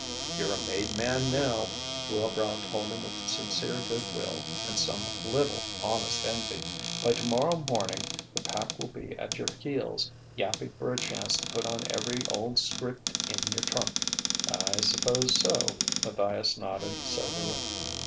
"You're a made man now," Wilbrow told him with sincere good will and some little honest envy; "by tomorrow morning the pack will be at your heels, yapping for a chance to put on every old 'script in your trunk." "I suppose so," Matthias nodded soberly.